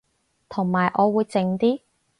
同埋我會靜啲